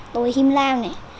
đồi him lao này